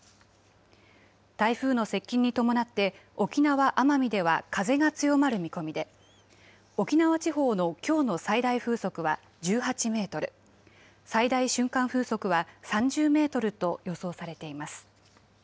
台風の接近に伴って、沖縄・奄美では風が強まる見込みで、沖縄地方のきょうの最大風速は１８メートル、最大瞬間風速は３０メートルと予想されています。